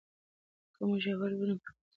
که موږ یووالی ولرو نو پرمختګ کوو.